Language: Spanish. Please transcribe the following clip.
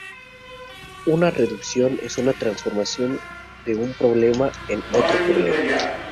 Una reducción es una transformación de un problema en otro problema.